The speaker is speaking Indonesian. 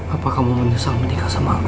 apa kamu menyesal menikah sama aku